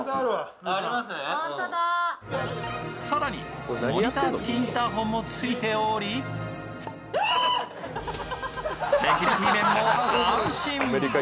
更にモニター付きインターホンもついておりセキュリティー面も安心。